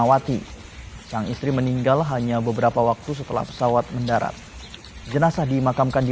awati sang istri meninggal hanya beberapa waktu setelah pesawat mendarat jenazah dimakamkan di